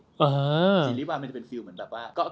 ซีรีส์วายมันจะเป็นฟิล์มเหมือนกับว่า